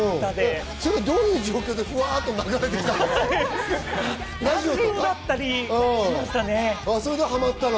どういう状況でフワっと流れてきたの？